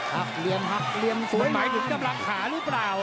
หักเหลี่ยมหักเหลี่ยมสวยหมายถึงกำลังขาหรือเปล่า